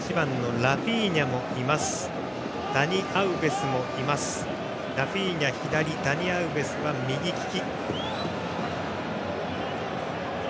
ラフィーニャは左ダニ・アウベスは右利き。